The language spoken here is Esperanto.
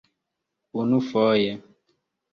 unufoje